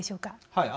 はい。